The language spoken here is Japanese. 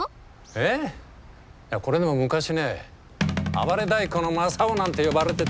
これでも昔ね暴れ太鼓の正雄なんて呼ばれてたのよ。